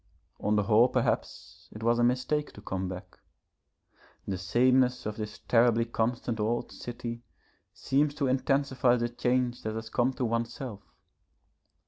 On the whole perhaps it was a mistake to come back. The sameness of this terribly constant old city seems to intensify the change that has come to oneself.